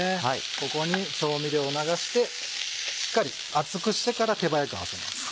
ここに調味料を流してしっかり熱くしてから手早く合わせます。